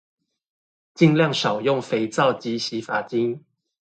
儘量少用肥皂及洗髮精